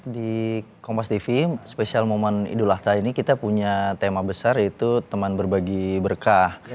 di kompastv spesial momen ido ada ini kita punya tema besar yaitu teman berbagi berkah